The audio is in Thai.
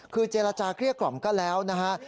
คือเจรจาเครียดกล่อมก็แล้วนะครับ